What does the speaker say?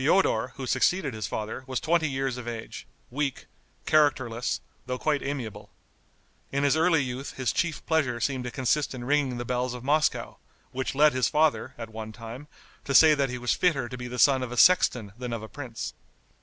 Feodor, who succeeded his father, was twenty years of age, weak, characterless, though quite amiable. In his early youth his chief pleasure seemed to consist in ringing the bells of Moscow, which led his father, at one time, to say that he was fitter to be the son of a sexton than of a prince.